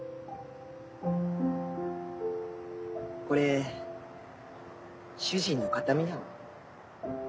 これ主人の形見なの。